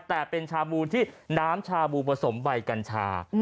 แต่เป็นชาบูที่น้ำชาบูผสมใบกัญชา